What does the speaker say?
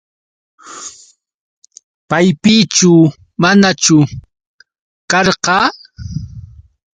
¿Paypichu manachu karqa?